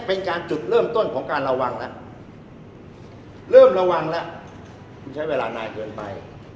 เป็นการจุดเริ่มต้นของการระวังแล้วเริ่มระวังแล้วคุณใช้เวลานานเกินไป